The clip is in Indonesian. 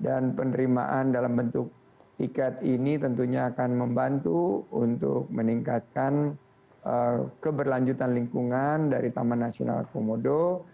dan penerimaan dalam bentuk tiket ini tentunya akan membantu untuk meningkatkan keberlanjutan lingkungan dari taman nasional komodo